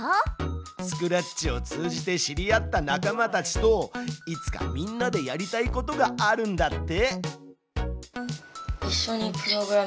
スクラッチを通じて知り合った仲間たちといつかみんなでやりたいことがあるんだって。